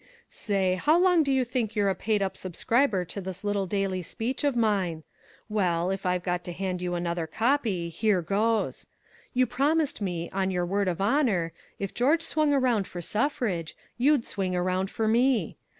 "Say, how long do you think you're a paid up subscriber to this little daily speech of mine?... Well, if I've got to hand you another copy, here goes. You promised me, on your word of honor, if George swung around for suffrage, you'd swing around for me.